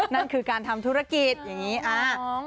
นั่นคือการทำธุรกิจเข้าลอง